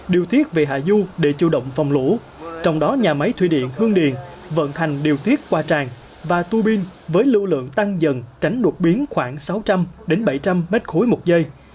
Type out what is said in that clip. đảm bảo hạ du để chủ động phòng lũ trong đó nhà máy thủy điện hương điền vận hành điều tiết qua tràn và tu binh với lưu lượng tăng dần tránh đột biến khoảng sáu trăm linh bảy trăm linh m ba một giây